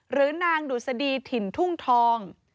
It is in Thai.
หรือนางดุษฎีถิ่นทุ่งทอง